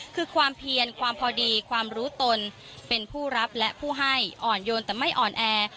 คือความเพียรความพอดีความรู้ตนเป็นผู้รับและผู้ให้อ่อนโยนแต่ไม่อ่อนแอ